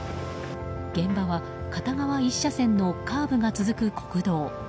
現場は片側１車線のカーブが続く国道。